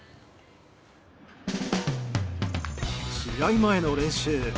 試合前の練習。